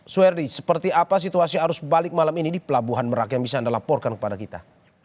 suherdi seperti apa situasi arus balik malam ini di pelabuhan merak yang bisa anda laporkan kepada kita